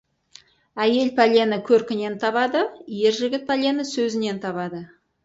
Әйел пәлені көркінен табады, ер жігіт пәлені сөзінен табады.